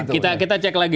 pemerintah kepada rakyatnya